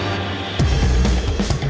lo sudah bisa berhenti